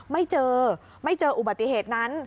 ไม่เจอไม่เจออุบัติเหตุนั้น